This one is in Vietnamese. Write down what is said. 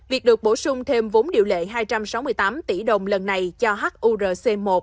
việc được bổ sung thêm vốn điều lệ hai trăm sáu mươi tám tỷ đồng lần này cho hurc một